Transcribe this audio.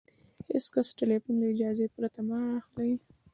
د هېڅ کس ټلیفون له اجازې پرته مه را اخلئ!